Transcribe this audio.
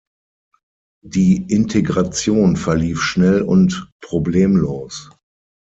Die Integration verlief schnell und problemlos.